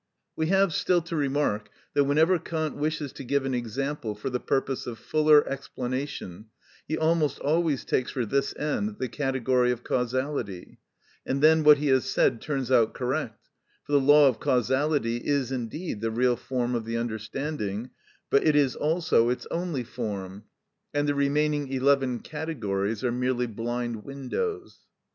We have still to remark, that whenever Kant wishes to give an example for the purpose of fuller explanation, he almost always takes for this end the category of causality, and then what he has said turns out correct; for the law of causality is indeed the real form of the understanding, but it is also its only form, and the remaining eleven categories are merely blind windows.